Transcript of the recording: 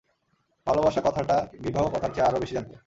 ভালোবাসা কথাটা বিবাহ কথার চেয়ে আরো বেশি জ্যান্ত।